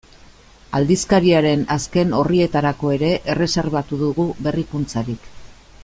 Aldizkariaren azken orrietarako ere erreserbatu dugu berrikuntzarik.